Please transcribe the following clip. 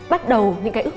bắt đầu những cái bài học